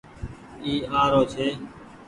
اي آرو ڇي۔